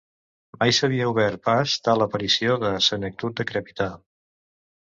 Mai s'havia obert pas tal aparició de senectut decrèpita.